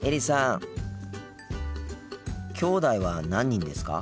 きょうだいは何人ですか？